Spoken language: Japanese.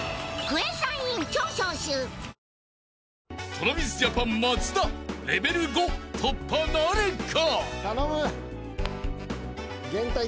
［ＴｒａｖｉｓＪａｐａｎ松田レベル５突破なるか？］